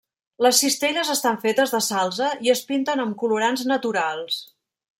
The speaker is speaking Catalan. Les cistelles estan fetes de salze i es pinten amb colorants naturals.